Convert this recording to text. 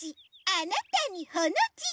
あなたにほのじ。